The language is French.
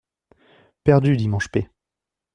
Perdu dimanche p.